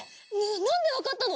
なんでわかったの？